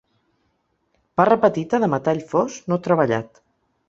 Barra petita de metall fos no treballat.